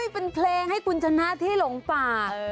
เป็นเพลงให้คุณชนะที่หลงป่า